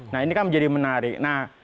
nah ini kan menjadi menarik